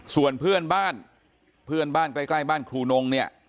ส่วนเพื่อนบ้านเพื่อนบ้านใกล้บ้านครูนงเนี่ย